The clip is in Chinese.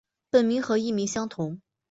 本名和艺名相同。